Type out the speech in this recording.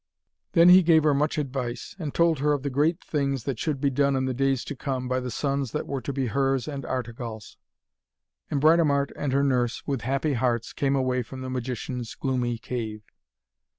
Then he gave her much advice, and told her of the great things that should be done in the days to come by the sons that were to be hers and Artegall's. And Britomart and her nurse, with happy hearts, came away from the magician's gloomy cave.